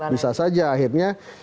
bisa saja akhirnya